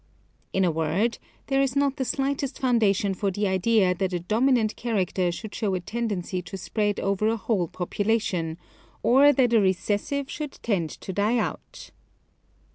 In a word, there is not the slightest founda tion for the idea that a dominant character should show a tendency to spread over a whole population, or that a recessive should tend to die out.